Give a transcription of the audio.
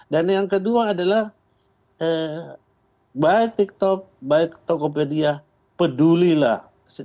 dan yang kedua adalah baik tiktok baik tokopedia pedulilah dengan serius